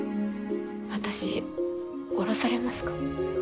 私降ろされますか？